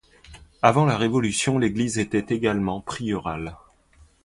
Avant la Révolution l'église était également prieurale.